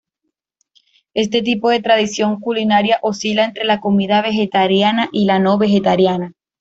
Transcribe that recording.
Este tipo de tradición culinaria oscila entre la comida vegetariana y la no vegetariana.